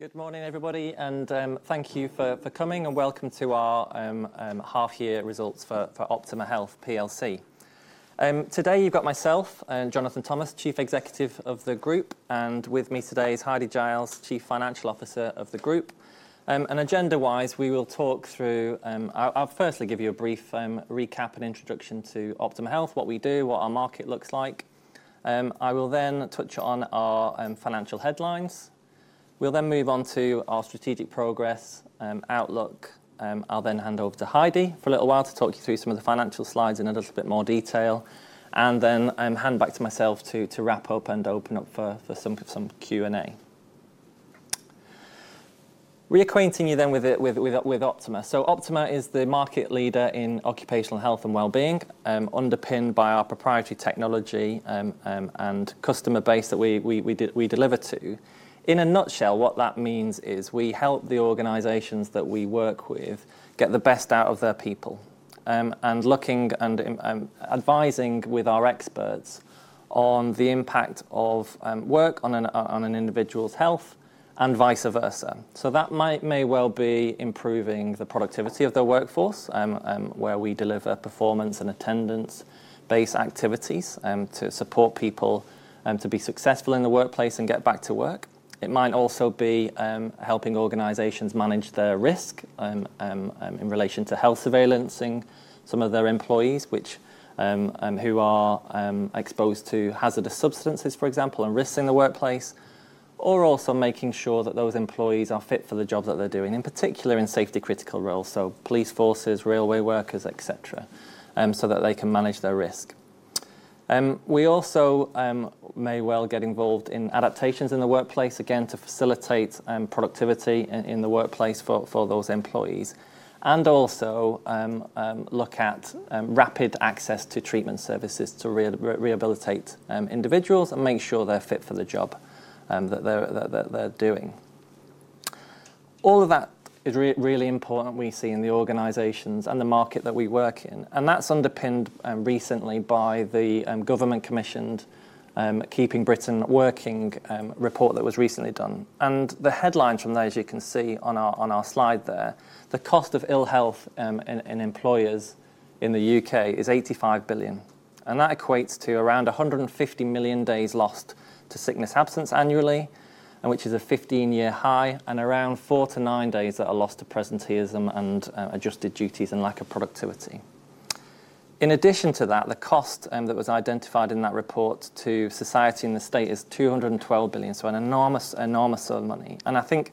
Good morning, everybody, and thank you for coming, and welcome to our half-year results for Optima Health PLC. Today, you've got myself Jonathan Thomas, Chief Executive of the Group, and with me today is Heidi Giles, Chief Financial Officer of the Group, and agenda-wise, we will talk through - I'll firstly give you a brief recap and introduction to Optima Health, what we do, what our market looks like. I will then touch on our financial headlines. We'll then move on to our strategic progress outlook. I'll then hand over to Heidi for a little while to talk you through some of the financial slides in a little bit more detail, and then hand back to myself to wrap up and open up for some Q&A. Reacquainting you then with Optima. So, Optima is the market leader in occupational health and well-being, underpinned by our proprietary technology and customer base that we deliver to. In a nutshell, what that means is we help the organizations that we work with get the best out of their people, and looking and advising with our experts on the impact of work on an individual's health and vice versa. So, that may well be improving the productivity of the workforce, where we deliver performance and attendance-based activities to support people to be successful in the workplace and get back to work. It might also be helping organizations manage their risk in relation to health surveillance some of their employees who are exposed to hazardous substances, for example, and risks in the workplace, or also making sure that those employees are fit for the job that they're doing, in particular in safety-critical roles, so police forces, railway workers, etc., so that they can manage their risk. We also may well get involved in adaptations in the workplace, again, to facilitate productivity in the workplace for those employees, and also look at rapid access to treatment services to rehabilitate individuals and make sure they're fit for the job that they're doing. All of that is really important we see in the organizations and the market that we work in, and that's underpinned recently by the government-commissioned Keep Britain Working report that was recently done. And the headlines from that, as you can see on our slide there, the cost of ill health in employers in the U.K. is 85 billion, and that equates to around 150 million days lost to sickness absence annually, which is a 15-year high, and around four to nine days that are lost to presenteeism and adjusted duties and lack of productivity. In addition to that, the cost that was identified in that report to society and the state is 212 billion, so an enormous sum of money. And I think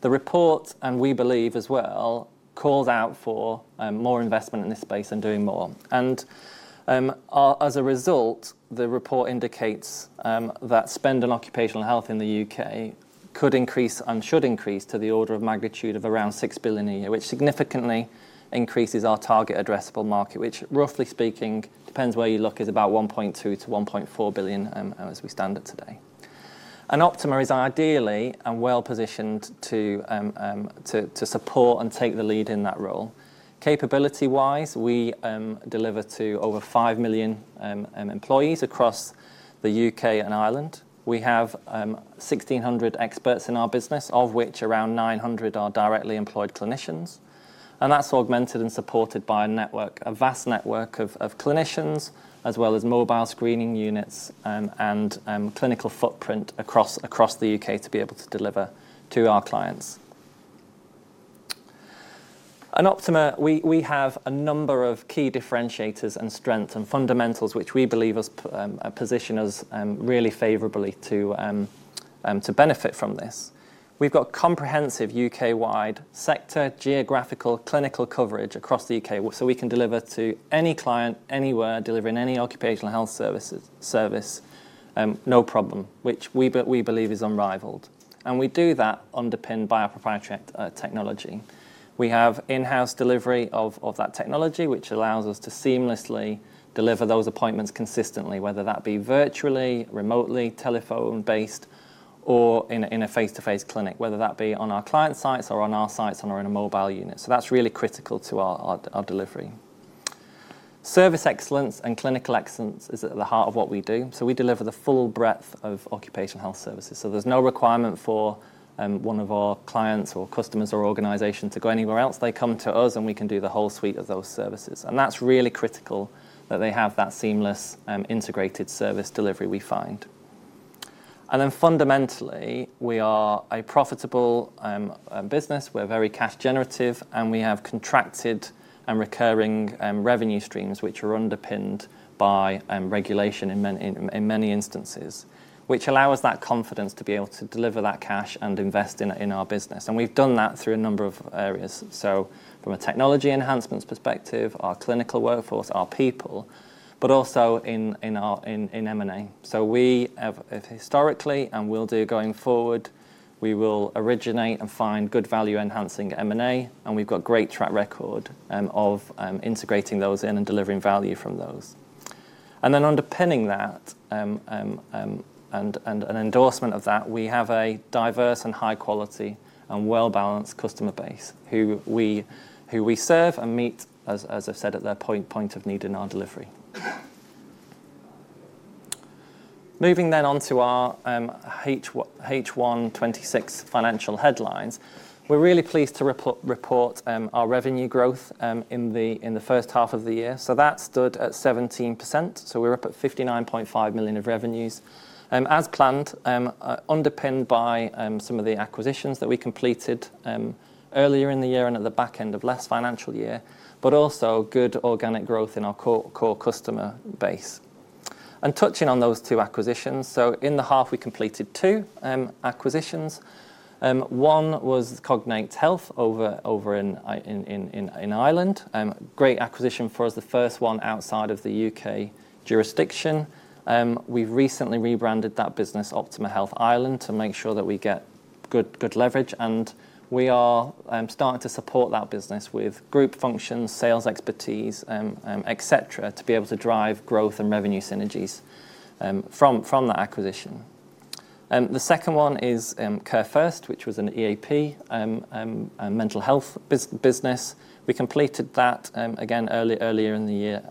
the report, and we believe as well, calls out for more investment in this space and doing more. As a result, the report indicates that spend on occupational health in the U.K. could increase and should increase to the order of magnitude of around 6 billion a year, which significantly increases our target addressable market, which, roughly speaking, depends where you look, is about 1.2 billion-1.4 billion as we stand at today. Optima is ideally and well-positioned to support and take the lead in that role. Capability-wise, we deliver to over 5 million employees across the U.K. and Ireland. We have 1,600 experts in our business, of which around 900 are directly employed clinicians, and that's augmented and supported by a network, a vast network of clinicians, as well as mobile screening units and clinical footprint across the U.K. to be able to deliver to our clients. At Optima, we have a number of key differentiators and strengths and fundamentals which we believe position us really favorably to benefit from this. We've got comprehensive U.K.-wide sector, geographical, clinical coverage across the U.K., so we can deliver to any client anywhere, delivering any occupational health service, no problem, which we believe is unrivaled, and we do that underpinned by our proprietary technology. We have in-house delivery of that technology, which allows us to seamlessly deliver those appointments consistently, whether that be virtually, remotely, telephone-based, or in a face-to-face clinic, whether that be on our client sites or on our sites or in a mobile unit, so that's really critical to our delivery. Service excellence and clinical excellence is at the heart of what we do, so we deliver the full breadth of occupational health services. So there's no requirement for one of our clients or customers or organizations to go anywhere else. They come to us, and we can do the whole suite of those services. And that's really critical that they have that seamless integrated service delivery we find. And then fundamentally, we are a profitable business. We're very cash generative, and we have contracted and recurring revenue streams which are underpinned by regulation in many instances, which allows that confidence to be able to deliver that cash and invest in our business. And we've done that through a number of areas, so from a technology enhancement perspective, our clinical workforce, our people, but also in M&A. So we have historically and will do going forward, we will originate and find good value-enhancing M&A, and we've got a great track record of integrating those in and delivering value from those. And then underpinning that and an endorsement of that, we have a diverse and high-quality and well-balanced customer base who we serve and meet, as I've said, at their point of need in our delivery. Moving then on to our H1 2026 financial headlines, we're really pleased to report our revenue growth in the first half of the year. So that stood at 17%, so we're up at 59.5 million of revenues, as planned, underpinned by some of the acquisitions that we completed earlier in the year and at the back end of last financial year, but also good organic growth in our core customer base. And touching on those two acquisitions, so in the half, we completed two acquisitions. One was Cognate Health over in Ireland, a great acquisition for us, the first one outside of the U.K. jurisdiction. We've recently rebranded that business, Optima Health Ireland, to make sure that we get good leverage, and we are starting to support that business with group functions, sales expertise, etc., to be able to drive growth and revenue synergies from that acquisition. The second one is Care First, which was an EAP mental health business. We completed that again earlier in the year,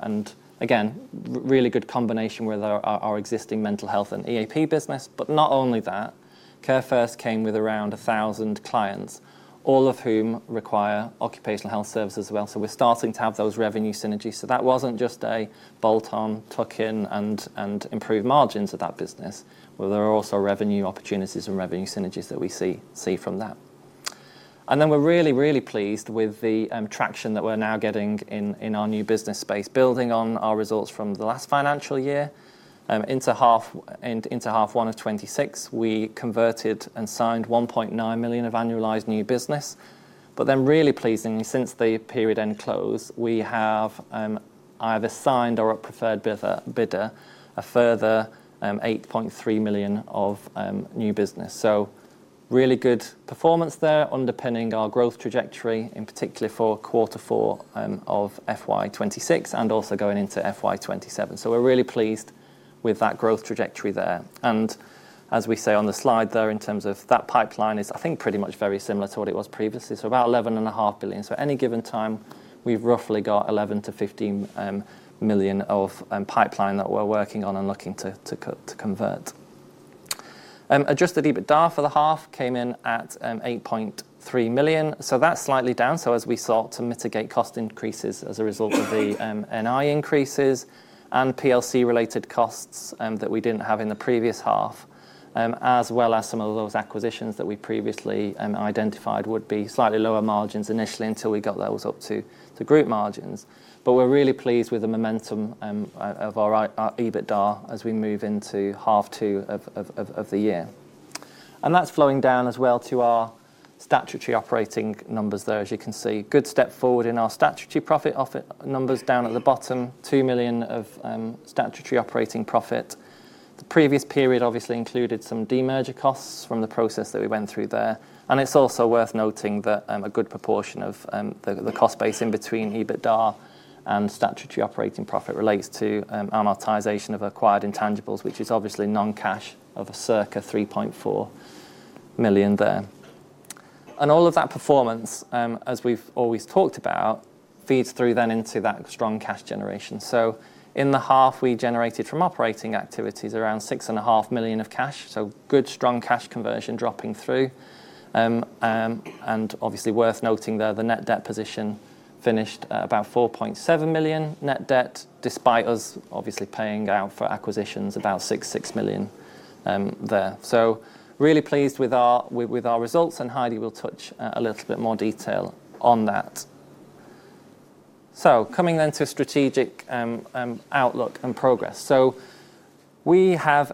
and again, really good combination with our existing mental health and EAP business. But not only that, Care First came with around 1,000 clients, all of whom require occupational health services as well. So we're starting to have those revenue synergies. So that wasn't just a bolt-on, tuck-in, and improve margins of that business. There are also revenue opportunities and revenue synergies that we see from that. And then we're really, really pleased with the traction that we're now getting in our new business space, building on our results from the last financial year. Into half one of 2026, we converted and signed 1.9 million of annualized new business. But then really pleasingly, since the period-end close, we have either signed or preferred bidder a further 8.3 million of new business. So really good performance there, underpinning our growth trajectory, in particular for quarter four of FY 2026 and also going into FY 2027. So we're really pleased with that growth trajectory there. And as we say on the slide there, in terms of that pipeline, it's, I think, pretty much very similar to what it was previously, so about 11.5 billion. So at any given time, we've roughly got 11 million-15 million of pipeline that we're working on and looking to convert. Adjusted EBITDA for the half came in at 8.3 million, so that's slightly down, so as we sought to mitigate cost increases as a result of the NI increases and PLC-related costs that we didn't have in the previous half, as well as some of those acquisitions that we previously identified would be slightly lower margins initially until we got those up to group margins, but we're really pleased with the momentum of our EBITDA as we move into half two of the year, and that's flowing down as well to our statutory operating numbers there, as you can see. Good step forward in our statutory profit numbers down at the bottom, 2 million of statutory operating profit. The previous period obviously included some demerger costs from the process that we went through there. It's also worth noting that a good proportion of the cost base in between EBITDA and statutory operating profit relates to amortization of acquired intangibles, which is obviously non-cash of circa 3.4 million there. And all of that performance, as we've always talked about, feeds through then into that strong cash generation. So in the half we generated from operating activities around 6.5 million of cash, so good strong cash conversion dropping through. And obviously worth noting there, the net debt position finished at about 4.7 million net debt, despite us obviously paying out for acquisitions about 6.6 million there. So really pleased with our results, and Heidi will touch a little bit more detail on that. So coming then to strategic outlook and progress. We have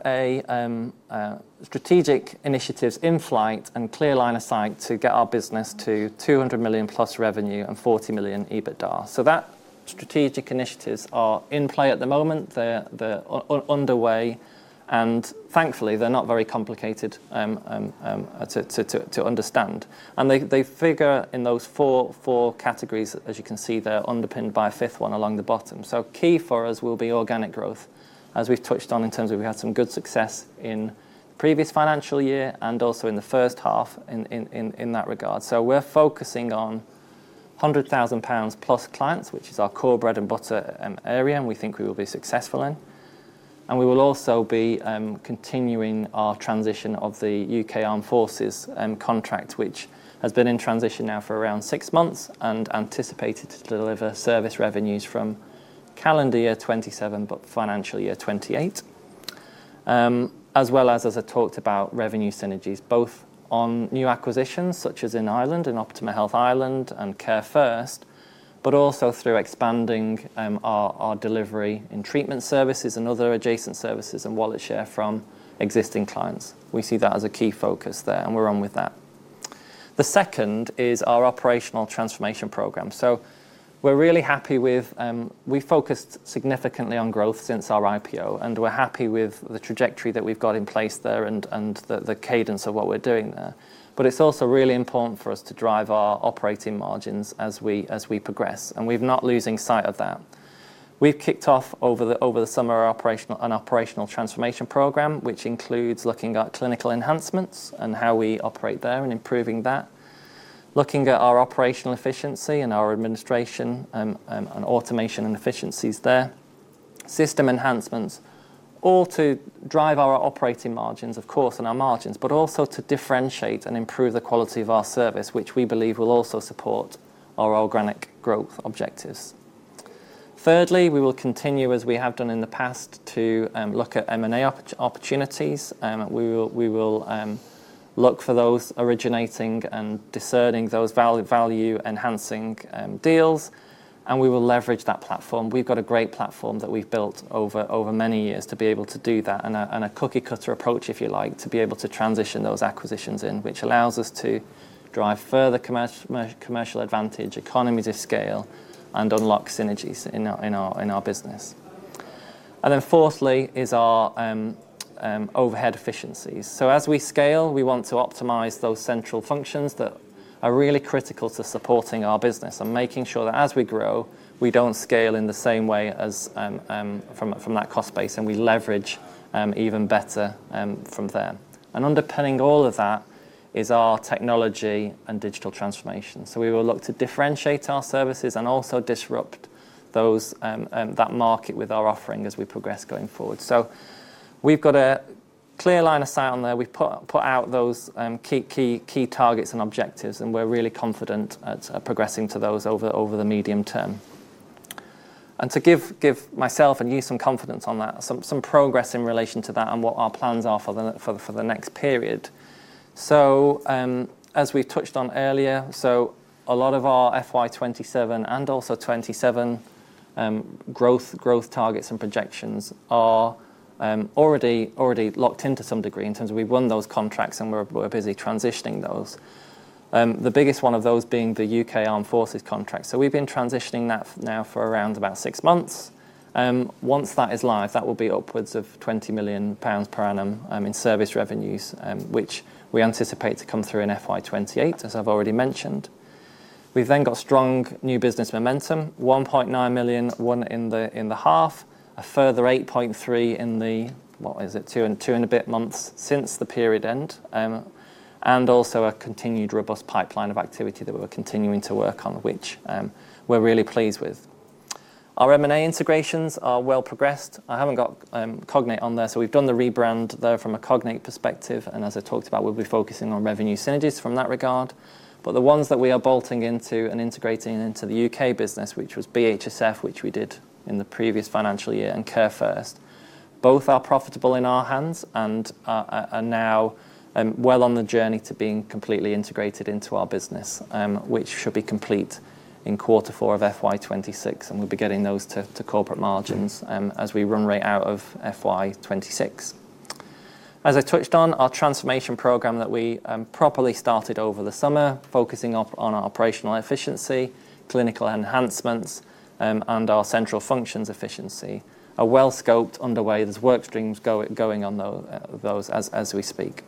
strategic initiatives in flight and clear line of sight to get our business to 200+ million revenue and 40 million EBITDA. That strategic initiatives are in play at the moment. They're underway, and thankfully, they're not very complicated to understand. They figure in those four categories, as you can see there, underpinned by a fifth one along the bottom. Key for us will be organic growth, as we've touched on in terms of we had some good success in the previous financial year and also in the first half in that regard. We're focusing on 100,000+ pounds clients, which is our core bread and butter area, and we think we will be successful in. And we will also be continuing our transition of the U.K. Armed Forces contract, which has been in transition now for around six months and anticipated to deliver service revenues from calendar year 2027, but financial year 2028, as well as, as I talked about, revenue synergies, both on new acquisitions such as in Ireland and Optima Health Ireland and Care First, but also through expanding our delivery in treatment services and other adjacent services and wallet share from existing clients. We see that as a key focus there, and we're on with that. The second is our operational transformation program. So we're really happy with we've focused significantly on growth since our IPO, and we're happy with the trajectory that we've got in place there and the cadence of what we're doing there. But it's also really important for us to drive our operating margins as we progress, and we're not losing sight of that. We've kicked off over the summer an operational transformation program, which includes looking at clinical enhancements and how we operate there and improving that, looking at our operational efficiency and our administration and automation and efficiencies there, system enhancements, all to drive our operating margins, of course, and our margins, but also to differentiate and improve the quality of our service, which we believe will also support our organic growth objectives. Thirdly, we will continue, as we have done in the past, to look at M&A opportunities. We will look for those originating and discerning those value-enhancing deals, and we will leverage that platform. We've got a great platform that we've built over many years to be able to do that, and a cookie-cutter approach, if you like, to be able to transition those acquisitions in, which allows us to drive further commercial advantage, economies of scale, and unlock synergies in our business, and then fourthly is our overhead efficiencies, so as we scale, we want to optimize those central functions that are really critical to supporting our business and making sure that as we grow, we don't scale in the same way from that cost base and we leverage even better from there, and underpinning all of that is our technology and digital transformation, so we will look to differentiate our services and also disrupt that market with our offering as we progress going forward, so we've got a clear line of sight on there. We've put out those key targets and objectives, and we're really confident at progressing to those over the medium term. And to give myself and you some confidence on that, some progress in relation to that and what our plans are for the next period. So as we've touched on earlier, a lot of our FY 2027 and also 2027 growth targets and projections are already locked into some degree in terms of we've won those contracts and we're busy transitioning those. The biggest one of those being the U.K. Armed Forces contract. So we've been transitioning that now for around about six months. Once that is live, that will be upwards of 20 million pounds per annum in service revenues, which we anticipate to come through in FY 2028, as I've already mentioned. We've then got strong new business momentum, 1.9 million won in the half, a further 8.3 million in the, what is it, two and a bit months since the period end, and also a continued robust pipeline of activity that we're continuing to work on, which we're really pleased with. Our M&A integrations are well progressed. I haven't got Cognate on there, so we've done the rebrand there from a Cognate perspective, and as I talked about, we'll be focusing on revenue synergies in that regard. But the ones that we are bolting into and integrating into the U.K. business, which was BHSF, which we did in the previous financial year, and Care First, both are profitable in our hands and are now well on the journey to being completely integrated into our business, which should be complete in quarter four of FY 2026, and we'll be getting those to corporate margins as we run right out of FY 2026. As I touched on, our transformation program that we properly started over the summer, focusing on our operational efficiency, clinical enhancements, and our central functions efficiency, are well scoped, underway. There's work streams going on those as we speak,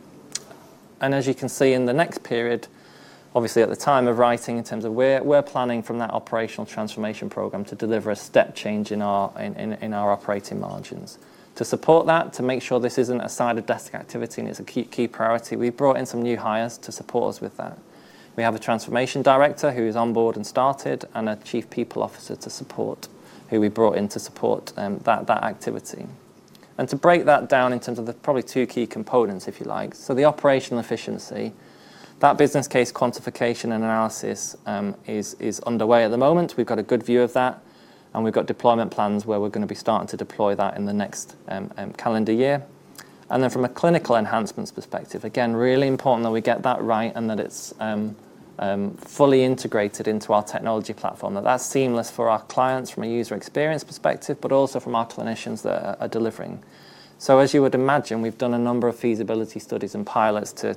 and as you can see in the next period, obviously at the time of writing in terms of we're planning from that operational transformation program to deliver a step change in our operating margins. To support that, to make sure this isn't a side-of-desk activity and it's a key priority, we've brought in some new hires to support us with that. We have a Transformation Director who is on board and started and a Chief People Officer to support, who we brought in to support that activity, and to break that down in terms of the probably two key components, if you like, so the operational efficiency, that business case quantification and analysis is underway at the moment. We've got a good view of that, and we've got deployment plans where we're going to be starting to deploy that in the next calendar year. And then from a clinical enhancements perspective, again, really important that we get that right and that it's fully integrated into our technology platform, that that's seamless for our clients from a user experience perspective, but also from our clinicians that are delivering. So as you would imagine, we've done a number of feasibility studies and pilots to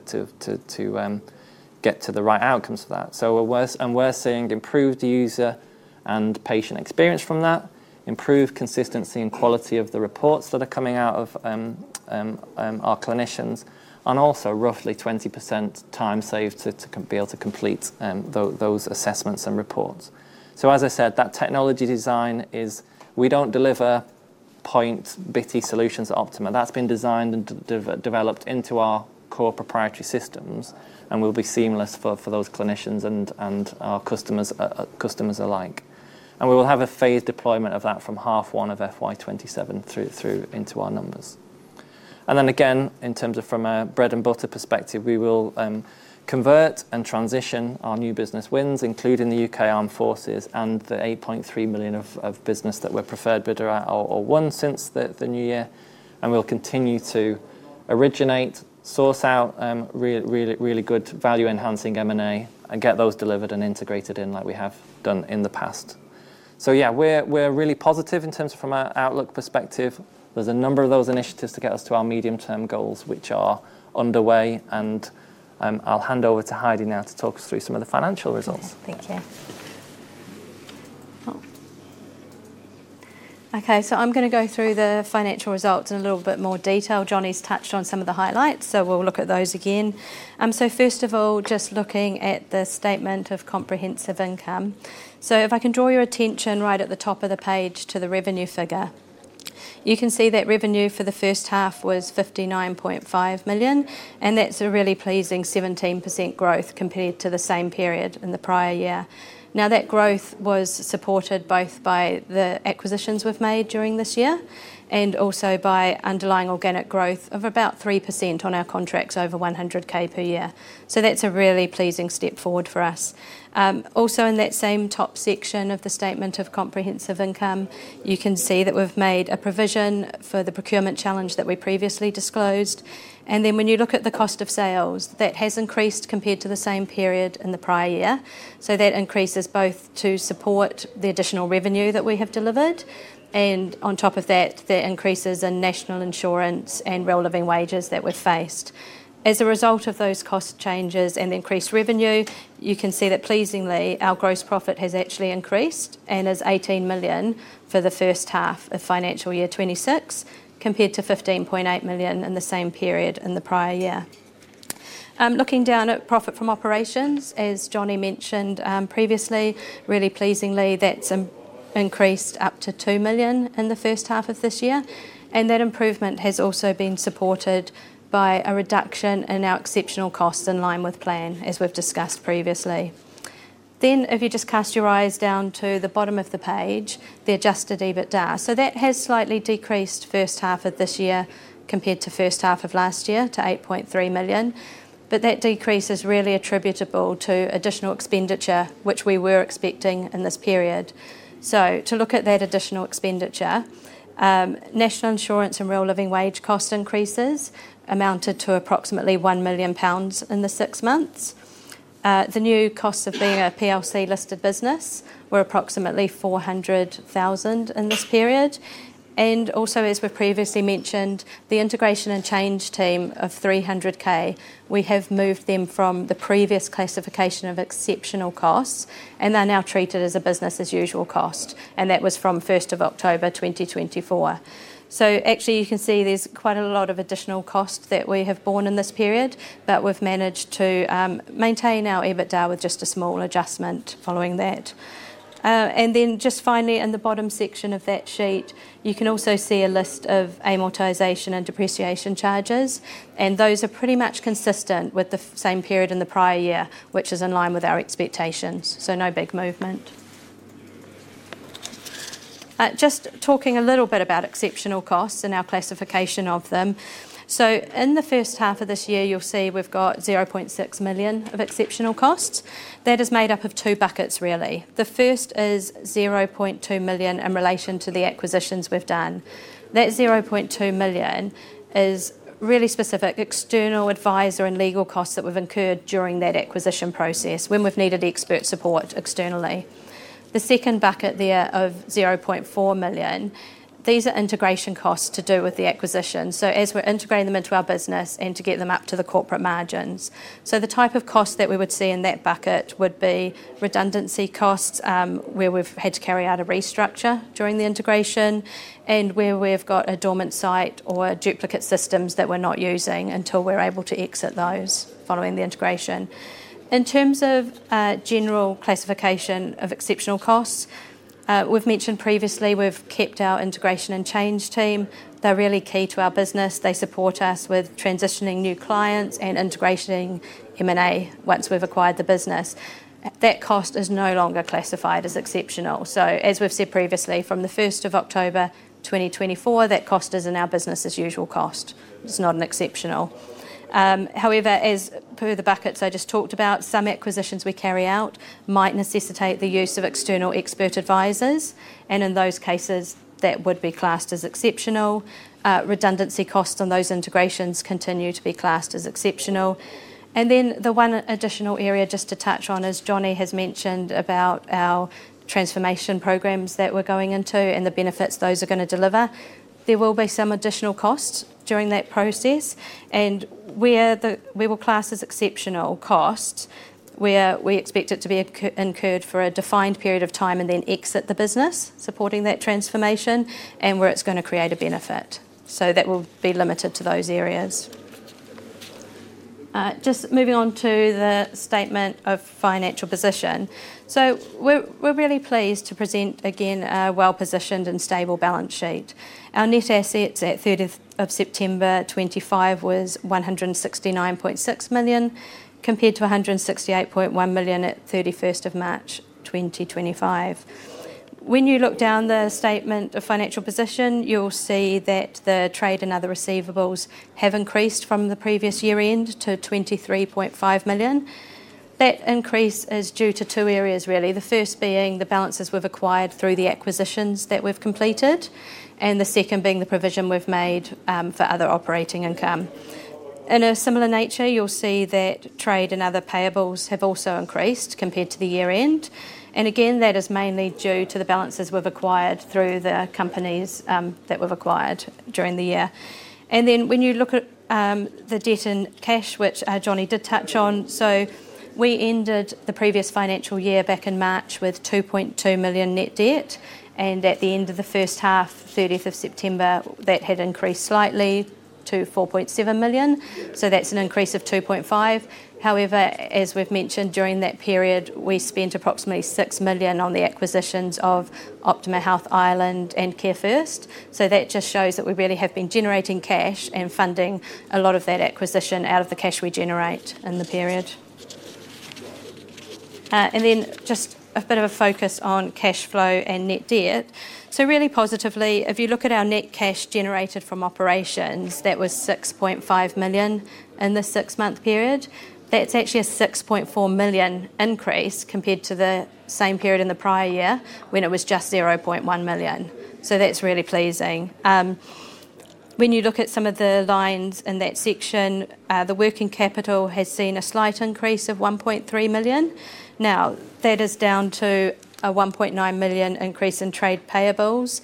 get to the right outcomes for that. So we're seeing improved user and patient experience from that, improved consistency and quality of the reports that are coming out of our clinicians, and also roughly 20% time saved to be able to complete those assessments and reports. So as I said, that technology design is we don't deliver point bitty solutions at Optima. That's been designed and developed into our core proprietary systems, and will be seamless for those clinicians and our customers alike. And we will have a phased deployment of that from half one of FY 2027 through into our numbers. And then again, in terms of from a bread and butter perspective, we will convert and transition our new business wins, including the U.K. Armed Forces and the 8.3 million of business that we're preferred bidder at or won since the new year. And we'll continue to originate, source out really good value-enhancing M&A and get those delivered and integrated in like we have done in the past. So yeah, we're really positive in terms from our outlook perspective. There's a number of those initiatives to get us to our medium-term goals, which are underway, and I'll hand over to Heidi now to talk us through some of the financial results. Thank you. Okay, so I'm going to go through the financial results in a little bit more detail. Johnny's touched on some of the highlights, so we'll look at those again. So first of all, just looking at the statement of comprehensive income. So if I can draw your attention right at the top of the page to the revenue figure, you can see that revenue for the first half was 59.5 million, and that's a really pleasing 17% growth compared to the same period in the prior year. Now that growth was supported both by the acquisitions we've made during this year and also by underlying organic growth of about 3% on our contracts over 100,000 per year. So that's a really pleasing step forward for us. Also in that same top section of the statement of comprehensive income, you can see that we've made a provision for the procurement challenge that we previously disclosed. And then when you look at the cost of sales, that has increased compared to the same period in the prior year. So that increases both to support the additional revenue that we have delivered, and on top of that, that increases in national insurance and relevant wages that we've faced. As a result of those cost changes and the increased revenue, you can see that pleasingly our gross profit has actually increased and is 18 million for the first half of financial year 2026 compared to 15.8 million in the same period in the prior year. Looking down at profit from operations, as Johnny mentioned previously, really pleasingly that's increased up to 2 million in the first half of this year. And that improvement has also been supported by a reduction in our exceptional costs in line with plan, as we've discussed previously. Then, if you just cast your eyes down to the bottom of the page, the adjusted EBITDA. So that has slightly decreased first half of this year compared to first half of last year to 8.3 million. But that decrease is really attributable to additional expenditure, which we were expecting in this period. So to look at that additional expenditure, National Insurance and Real Living Wage cost increases amounted to approximately 1 million pounds in the six months. The new costs of being a PLC listed business were approximately 400,000 in this period. And also, as we've previously mentioned, the integration and change team of 300,000, we have moved them from the previous classification of exceptional costs, and they're now treated as a business as usual cost, and that was from 1st of October 2024. So actually, you can see there's quite a lot of additional costs that we have borne in this period, but we've managed to maintain our EBITDA with just a small adjustment following that. And then just finally, in the bottom section of that sheet, you can also see a list of amortization and depreciation charges, and those are pretty much consistent with the same period in the prior year, which is in line with our expectations, so no big movement. Just talking a little bit about exceptional costs and our classification of them. So in the first half of this year, you'll see we've got 0.6 million of exceptional costs. That is made up of two buckets, really. The first is 0.2 million in relation to the acquisitions we've done. That 0.2 million is really specific external advisor and legal costs that we've incurred during that acquisition process when we've needed expert support externally. The second bucket there of 0.4 million, these are integration costs to do with the acquisition. So as we're integrating them into our business and to get them up to the corporate margins. So the type of cost that we would see in that bucket would be redundancy costs where we've had to carry out a restructure during the integration and where we've got a dormant site or duplicate systems that we're not using until we're able to exit those following the integration. In terms of general classification of exceptional costs, we've mentioned previously we've kept our integration and change team. They're really key to our business. They support us with transitioning new clients and integrating M&A once we've acquired the business. That cost is no longer classified as exceptional. So as we've said previously, from the 1st of October 2024, that cost is in our business as usual cost. It's not an exceptional. However, as per the buckets I just talked about, some acquisitions we carry out might necessitate the use of external expert advisors, and in those cases, that would be classed as exceptional. Redundancy costs on those integrations continue to be classed as exceptional. And then the one additional area just to touch on is Johnny has mentioned about our transformation programs that we're going into and the benefits those are going to deliver. There will be some additional costs during that process, and where we will class as exceptional costs, where we expect it to be incurred for a defined period of time and then exit the business supporting that transformation and where it's going to create a benefit, so that will be limited to those areas. Just moving on to the statement of financial position, so we're really pleased to present again a well-positioned and stable balance sheet. Our net assets at 30th of September 2025 was 169.6 million compared to 168.1 million at 31st of March 2025. When you look down the statement of financial position, you'll see that the trade and other receivables have increased from the previous year-end to 23.5 million. That increase is due to two areas, really. The first being the balances we've acquired through the acquisitions that we've completed and the second being the provision we've made for other operating income. In a similar nature, you'll see that trade and other payables have also increased compared to the year-end, and again, that is mainly due to the balances we've acquired through the companies that we've acquired during the year, and then when you look at the net debt and cash, which Johnny did touch on, so we ended the previous financial year back in March with 2.2 million net debt, and at the end of the first half, 30th of September, that had increased slightly to 4.7 million, so that's an increase of 2.5 million. However, as we've mentioned, during that period, we spent approximately 6 million on the acquisitions of Optima Health Ireland and Care First. That just shows that we really have been generating cash and funding a lot of that acquisition out of the cash we generate in the period. And then just a bit of a focus on cash flow and net debt. Really positively, if you look at our net cash generated from operations, that was 6.5 million in the six-month period. That's actually a 6.4 million increase compared to the same period in the prior year when it was just 0.1 million. So that's really pleasing. When you look at some of the lines in that section, the working capital has seen a slight increase of 1.3 million. Now, that is down to a 1.9 million increase in trade payables,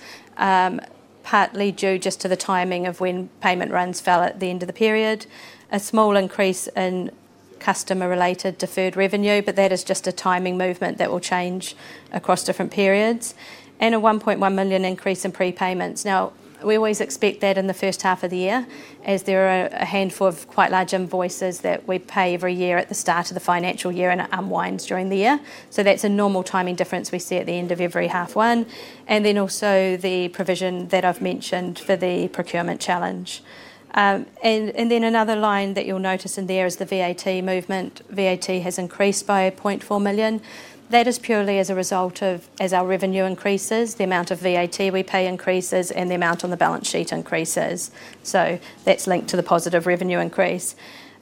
partly due just to the timing of when payment runs fell at the end of the period. A small increase in customer-related deferred revenue, but that is just a timing movement that will change across different periods, and a 1.1 million increase in prepayments. Now, we always expect that in the first half of the year as there are a handful of quite large invoices that we pay every year at the start of the financial year and it unwinds during the year, so that's a normal timing difference we see at the end of every half one, and then also the provision that I've mentioned for the procurement challenge, and then another line that you'll notice in there is the VAT movement. VAT has increased by 0.4 million. That is purely as a result of, as our revenue increases, the amount of VAT we pay increases and the amount on the balance sheet increases, so that's linked to the positive revenue increase.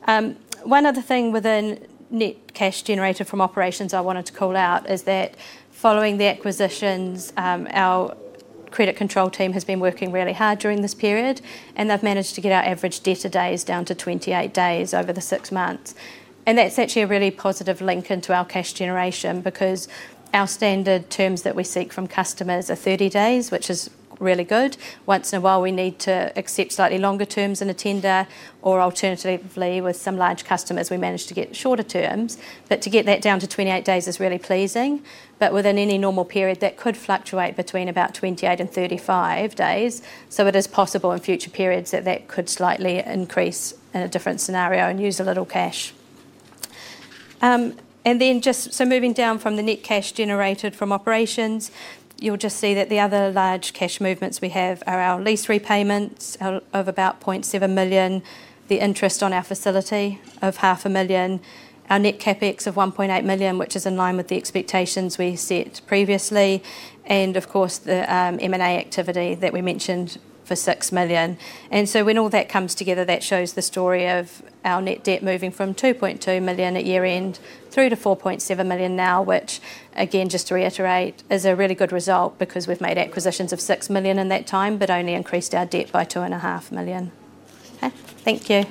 One other thing within net cash generated from operations I wanted to call out is that following the acquisitions, our credit control team has been working really hard during this period, and they've managed to get our average debtor days down to 28 days over the six months, and that's actually a really positive link into our cash generation because our standard terms that we seek from customers are 30 days, which is really good. Once in a while, we need to accept slightly longer terms in a tender, or alternatively, with some large customers, we manage to get shorter terms, but to get that down to 28 days is really pleasing, but within any normal period, that could fluctuate between about 28 and 35 days, so it is possible in future periods that that could slightly increase in a different scenario and use a little cash. And then just so moving down from the net cash generated from operations, you'll just see that the other large cash movements we have are our lease repayments of about 0.7 million, the interest on our facility of 0.5 million, our net CapEx of 1.8 million, which is in line with the expectations we set previously, and of course, the M&A activity that we mentioned for 6 million. And so when all that comes together, that shows the story of our net debt moving from 2.2 million at year-end through to 4.7 million now, which, again, just to reiterate, is a really good result because we've made acquisitions of 6 million in that time, but only increased our debt by 2.5 million. Okay, thank you.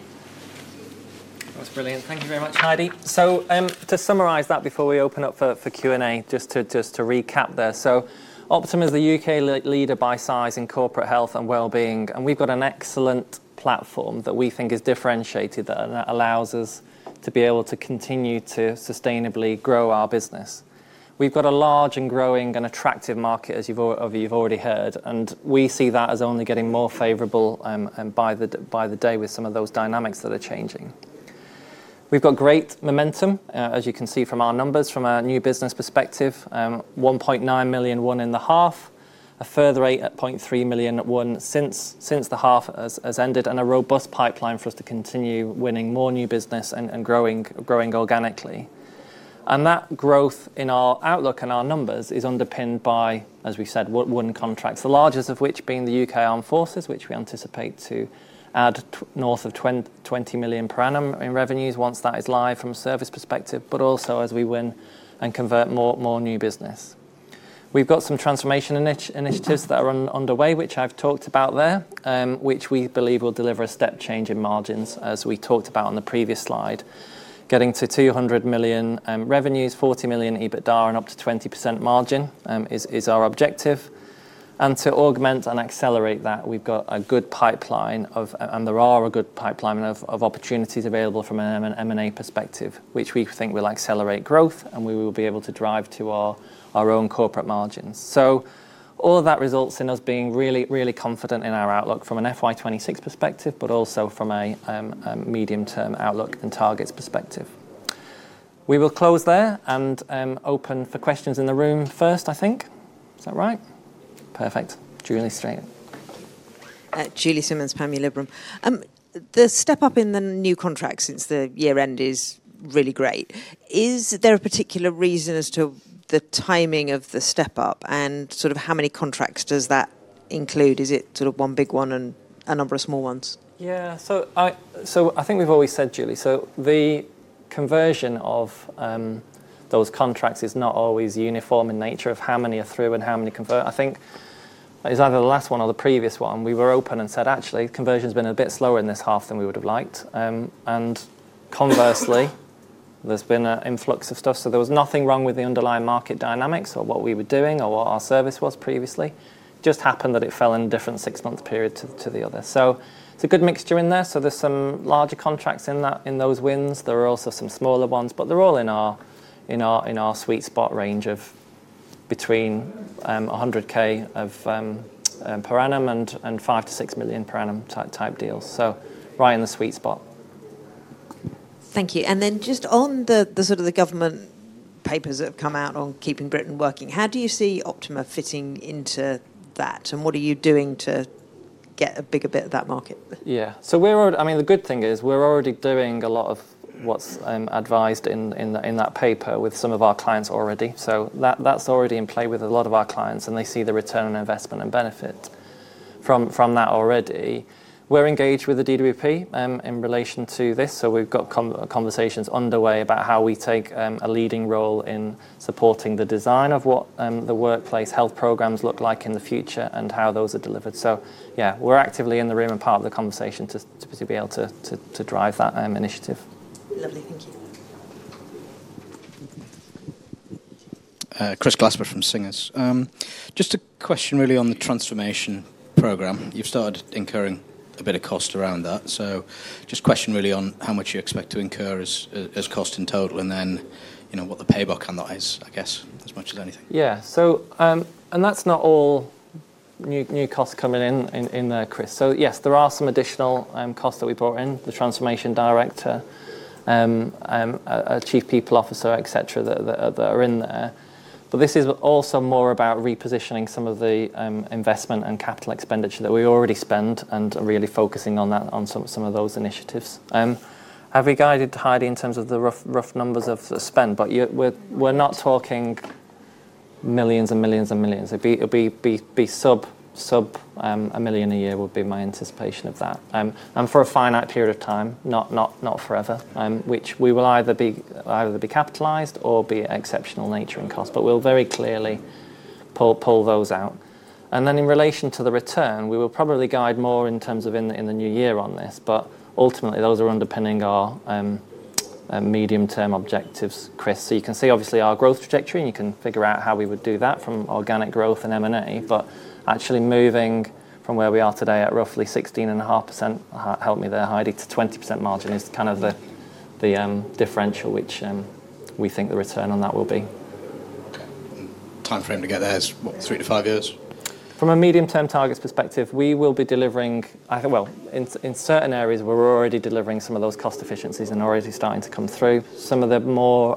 That's brilliant. Thank you very much, Heidi. So to summarize that before we open up for Q&A, just to recap there. So Optima is the U.K. leader by size in corporate health and wellbeing, and we've got an excellent platform that we think is differentiated and that allows us to be able to continue to sustainably grow our business. We've got a large and growing and attractive market, as you've already heard, and we see that as only getting more favorable by the day with some of those dynamics that are changing. We've got great momentum, as you can see from our numbers, from a new business perspective, 1.9 million won in the half, a further 8.3 million won since the half has ended, and a robust pipeline for us to continue winning more new business and growing organically. And that growth in our outlook and our numbers is underpinned by, as we said, won contracts, the largest of which being the U.K. Armed Forces, which we anticipate to add north of 20 million per annum in revenues once that is live from a service perspective, but also as we win and convert more new business. We've got some transformation initiatives that are underway, which I've talked about there, which we believe will deliver a step change in margins, as we talked about on the previous slide. Getting to 200 million revenues, 40 million EBITDA, and up to 20% margin is our objective. And to augment and accelerate that, we've got a good pipeline of opportunities available from an M&A perspective, which we think will accelerate growth and we will be able to drive to our own corporate margins. So all of that results in us being really, really confident in our outlook from an FY 2026 perspective, but also from a medium-term outlook and targets perspective. We will close there and open for questions in the room first, I think. Is that right? Perfect. Julie Simmonds. Julie Simmonds, Panmure Liberum. The step up in the new contracts since the year-end is really great. Is there a particular reason as to the timing of the step up and sort of how many contracts does that include? Is it sort of one big one and a number of small ones? Yeah, so I think we've always said, Julie, so the conversion of those contracts is not always uniform in nature of how many are through and how many convert. I think it's either the last one or the previous one. We were open and said, actually, conversion has been a bit slower in this half than we would have liked. And conversely, there's been an influx of stuff. So there was nothing wrong with the underlying market dynamics or what we were doing or what our service was previously. It just happened that it fell in a different six-month period to the other. So it's a good mixture in there. So there's some larger contracts in those wins. There are also some smaller ones, but they're all in our sweet spot range of between 100,000 per annum and 5 million-6 million per annum type deals. So right in the sweet spot. Thank you. And then just on the sort of government papers that have come out on Keep Britain Working, how do you see Optima fitting into that? And what are you doing to get a bigger bit of that market? Yeah, so we're already, I mean, the good thing is we're already doing a lot of what's advised in that paper with some of our clients already. So that's already in play with a lot of our clients, and they see the return on investment and benefit from that already. We're engaged with the DWP in relation to this. So we've got conversations underway about how we take a leading role in supporting the design of what the workplace health programs look like in the future and how those are delivered. So yeah, we're actively in the room and part of the conversation to be able to drive that initiative. Lovely, thank You. Chris Glasper from Singer. Just a question really on the transformation program. You've started incurring a bit of cost around that. So just question really on how much you expect to incur as cost in total and then what the payback on that is, I guess, as much as anything. Yeah, so and that's not all new costs coming in there, Chris. So yes, there are some additional costs that we brought in, the Transformation Director, a Chief People Officer, etc., that are in there. But this is also more about repositioning some of the investment and capital expenditure that we already spend and really focusing on that on some of those initiatives. Have we guided Heidi in terms of the rough numbers of spend? But we're not talking millions and millions and millions. It would be sub 1 million a year would be my anticipation of that. And for a finite period of time, not forever, which we will either be capitalized or be exceptional nature in cost, but we'll very clearly pull those out. And then in relation to the return, we will probably guide more in terms of in the new year on this, but ultimately those are underpinning our medium-term objectives, Chris. So you can see obviously our growth trajectory and you can figure out how we would do that from organic growth and M&A, but actually moving from where we are today at roughly 16.5%, help me there, Heidi, to 20% margin is kind of the differential which we think the return on that will be. Timeframe to get there is what, three to five years? From a medium-term targets perspective, we will be delivering, well, in certain areas, we're already delivering some of those cost efficiencies and already starting to come through. Some of the more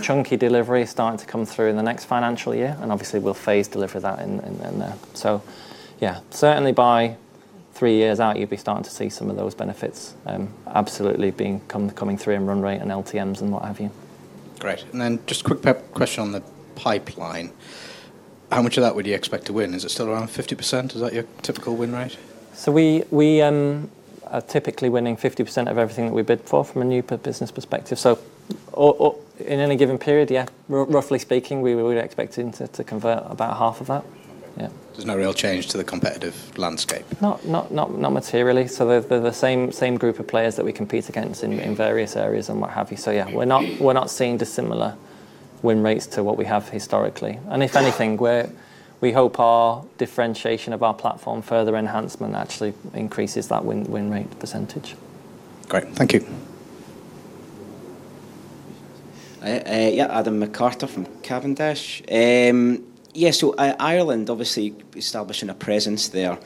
chunky delivery is starting to come through in the next financial year, and obviously we'll phase deliver that in there. So yeah, certainly by three years out, you'll be starting to see some of those benefits absolutely coming through in run rate and LTMs and what have you. Great. And then just a quick question on the pipeline. How much of that would you expect to win? Is it still around 50%? Is that your typical win rate? So we are typically winning 50% of everything that we bid for from a new business perspective. So in any given period, yeah, roughly speaking, we would expect to convert about half of that. There's no real change to the competitive landscape. Not materially. So they're the same group of players that we compete against in various areas and what have you. So yeah, we're not seeing dissimilar win rates to what we have historically. And if anything, we hope our differentiation of our platform further enhancement actually increases that win rate percentage. Great, thank you. Yeah, Adam MacArthur from Cavendish. Yeah, so Ireland, obviously establishing a presence there.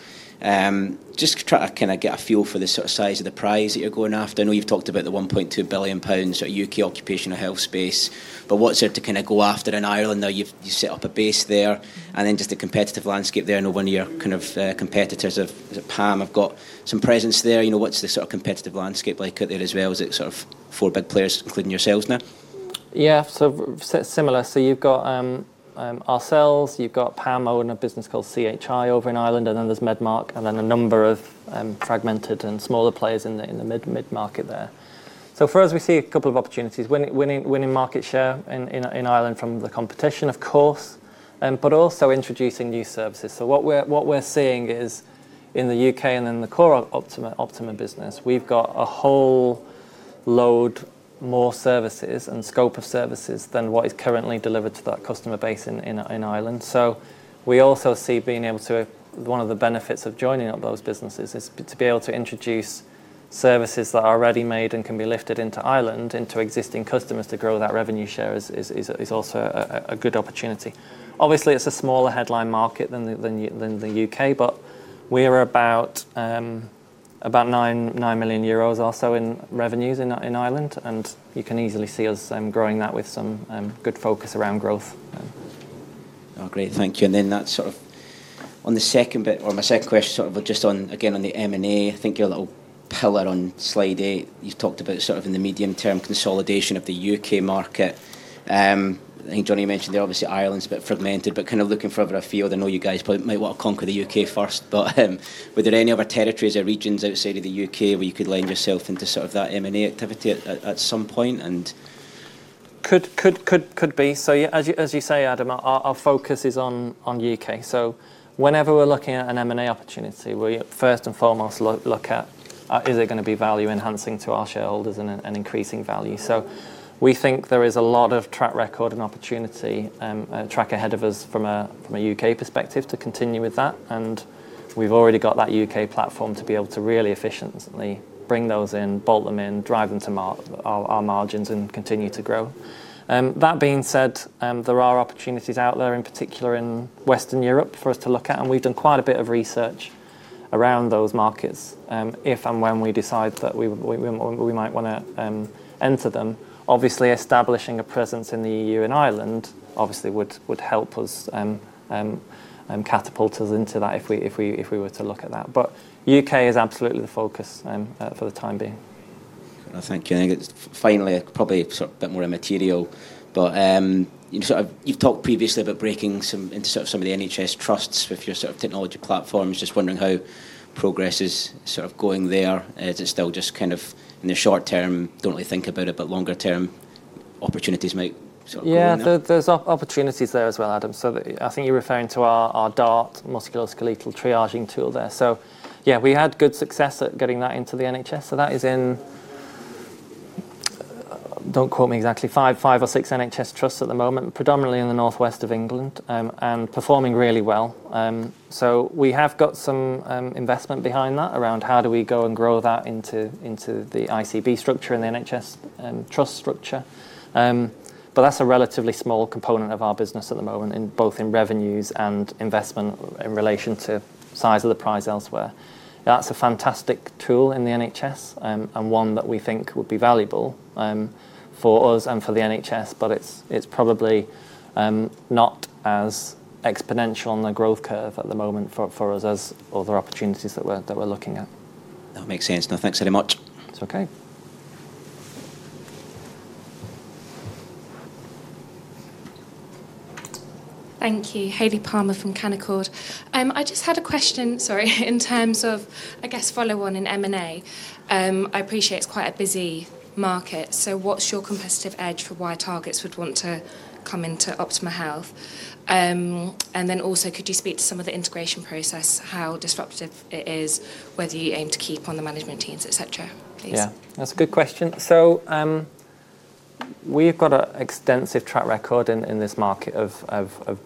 Just trying to kind of get a feel for the sort of size of the prize that you're going after. I know you've talked about the 1.2 billion pounds U.K. occupational health space, but what's there to kind of go after in Ireland? Now you've set up a base there and then just the competitive landscape there and when your kind of competitors of PAM have got some presence there. What's the sort of competitive landscape like out there as well? Is it sort of four big players including yourselves now? Yeah, so similar. So you've got ourselves, you've got PAM own a business called CHI over in Ireland, and then there's Medmark and then a number of fragmented and smaller players in the mid-market there. So for us, we see a couple of opportunities. Winning market share in Ireland from the competition, of course, but also introducing new services. So what we're seeing is in the U.K. and in the core Optima business, we've got a whole load more services and scope of services than what is currently delivered to that customer base in Ireland. So we also see being able to, one of the benefits of joining up those businesses is to be able to introduce services that are ready-made and can be lifted into Ireland, into existing customers to grow that revenue share is also a good opportunity. Obviously, it's a smaller headline market than the U.K., but we are about 9 million euros or so in revenues in Ireland, and you can easily see us growing that with some good focus around growth. Great, thank you. And then that's sort of on the second bit or my second question, sort of just on, again, on the M&A. I think your little pillar on slide eight, you've talked about sort of in the medium-term consolidation of the U.K. market. I think Johnny mentioned there, obviously Ireland's a bit fragmented, but kind of looking ever afield. I know you guys might want to conquer the U.K. first, but were there any other territories or regions outside of the U.K. where you could land yourself into sort of that M&A activity at some point? Could be. So as you say, Adam, our focus is on U.K. So whenever we're looking at an M&A opportunity, we first and foremost look at, is it going to be value enhancing to our shareholders and increasing value? So we think there is a lot of track record and opportunity, track ahead of us from a U.K. perspective to continue with that. And we've already got that U.K. platform to be able to really efficiently bring those in, bolt them in, drive them to our margins and continue to grow. That being said, there are opportunities out there, in particular in Western Europe, for us to look at. And we've done quite a bit of research around those markets if and when we decide that we might want to enter them. Obviously, establishing a presence in the EU and Ireland obviously would help us catapult us into that if we were to look at that. But U.K. is absolutely the focus for the time being. Thank you. And finally, probably sort of a bit more immaterial, but you've talked previously about breaking into sort of some of the NHS trusts with your sort of technology platforms. Just wondering how progress is sort of going there. Is it still just kind of in the short-term, don't really think about it, but longer-term opportunities might sort of go on there? Yeah, there's opportunities there as well, Adam. So I think you're referring to our DART, musculoskeletal triaging tool there. So yeah, we had good success at getting that into the NHS. So that is in, don't quote me exactly, five or six NHS trusts at the moment, predominantly in the Northwest of England and performing really well. So we have got some investment behind that around how do we go and grow that into the ICB structure and the NHS trust structure. But that's a relatively small component of our business at the moment, both in revenues and investment in relation to size of the prize elsewhere. That's a fantastic tool in the NHS and one that we think would be valuable for us and for the NHS, but it's probably not as exponential on the growth curve at the moment for us as other opportunities that we're looking at. That makes sense. No, thanks very much. It's okay. Thank you. Heidi Palmer from Canaccord. I just had a question, sorry, in terms of, I guess, follow-on in M&A. I appreciate it's quite a busy market. So what's your competitive edge for why targets would want to come into Optima Health? And then also, could you speak to some of the integration process, how disruptive it is, whether you aim to keep on the management teams, etc.? Yeah, that's a good question. So we've got an extensive track record in this market of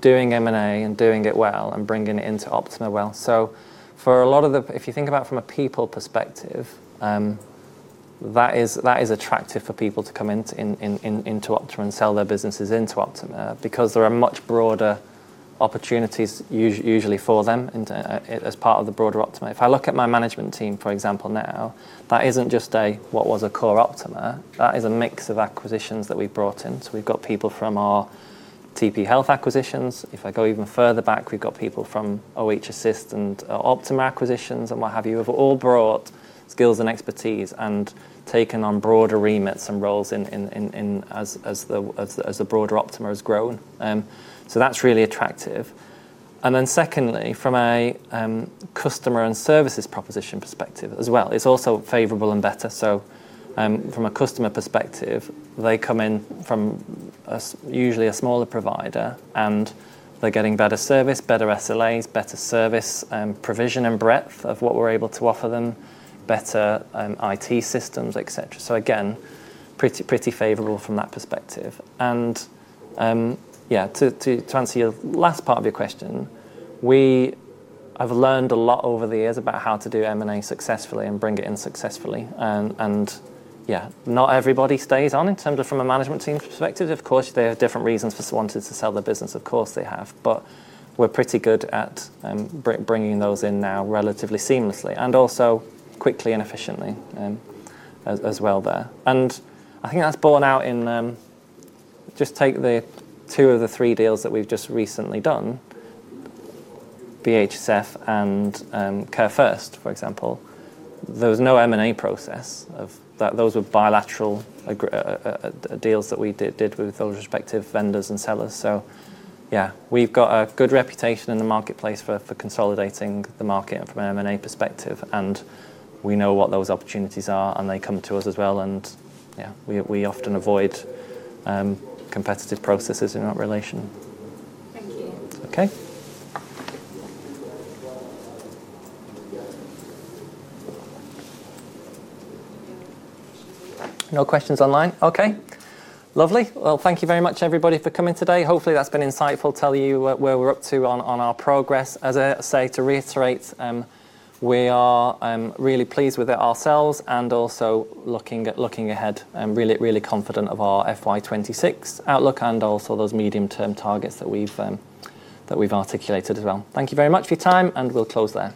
doing M&A and doing it well and bringing it into Optima well. So for a lot of the, if you think about it from a people perspective, that is attractive for people to come into Optima and sell their businesses into Optima because there are much broader opportunities usually for them as part of the broader Optima. If I look at my management team, for example, now, that isn't just what was a core Optima. That is a mix of acquisitions that we've brought in. So we've got people from our TP Health acquisitions. If I go even further back, we've got people from OH Assist and Optima acquisitions and what have you have all brought skills and expertise and taken on broader remit and roles as the broader Optima has grown. So that's really attractive. And then secondly, from a customer and services proposition perspective as well, it's also favorable and better. So from a customer perspective, they come in from usually a smaller provider and they're getting better service, better SLAs, better service provision and breadth of what we're able to offer them, better IT systems, etc. So again, pretty favorable from that perspective. And yeah, to answer your last part of your question, I've learned a lot over the years about how to do M&A successfully and bring it in successfully. And yeah, not everybody stays on in terms of from a management team perspective. Of course, they have different reasons for wanting to sell their business. Of course, they have. But we're pretty good at bringing those in now relatively seamlessly and also quickly and efficiently as well there. And I think that's borne out. Just take the two of the three deals that we've just recently done, BHSF and Care First, for example. There was no M&A process. Those were bilateral deals that we did with those respective vendors and sellers. So yeah, we've got a good reputation in the marketplace for consolidating the market from an M&A perspective. And we know what those opportunities are and they come to us as well. And yeah, we often avoid competitive processes in that relation. Thank you. Okay. No questions online? Okay. Lovely. Well, thank you very much, everybody, for coming today. Hopefully, that's been insightful, tell you where we're up to on our progress. As I say, to reiterate, we are really pleased with it ourselves and also looking ahead, really confident of our FY 2026 outlook and also those medium-term targets that we've articulated as well. Thank you very much for your time and we'll close there.